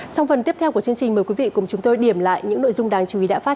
trong phần tiếp theo của chương trình mời quý vị cùng chúng tôi điểm lại những nội dung đáng chú ý đã phát